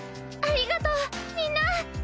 ありがとうみんな。